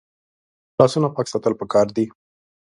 لاسونه پاک ساتل پکار دي